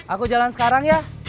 aku jalan sekarang ya